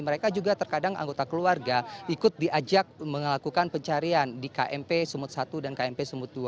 mereka juga terkadang anggota keluarga ikut diajak melakukan pencarian di kmp sumut satu dan kmp sumut dua